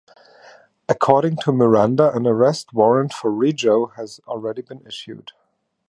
According to Miranda, an arrest warrant for Rijo had already been issued.